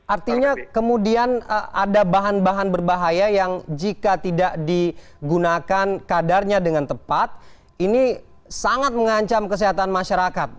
artinya kemudian ada bahan bahan berbahaya yang jika tidak digunakan kadarnya dengan tepat ini sangat mengancam kesehatan masyarakat